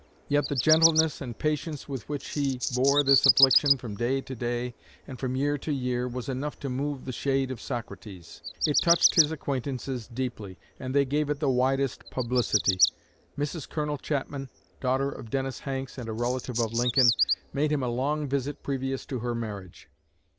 Yet the gentleness and patience with which he bore this affliction from day to day and from year to year was enough to move the shade of Socrates. It touched his acquaintances deeply, and they gave it the widest publicity." Mrs. Colonel Chapman, daughter of Dennis Hanks and a relative of Lincoln, made him a long visit previous to her marriage.